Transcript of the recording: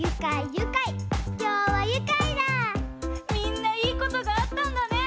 みんないいことがあったんだね！